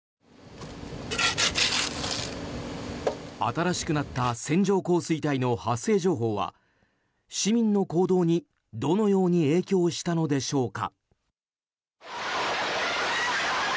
新しくなった線状降水帯の発生情報は市民の行動に、どのように影響したのでしょうか。